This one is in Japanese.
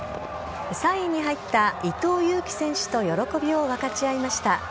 ３位に入った伊藤有希選手と喜びを分かち合いました。